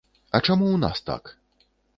А чаму ў нас так?